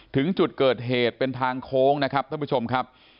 ถึงจุดเกิดเหตุเป็นทางโค้งนะครับท่านผู้ชมครับ